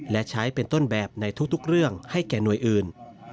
และใช้เป็นต้นแบบในทุกเรื่องให้แก่หน่วยอื่น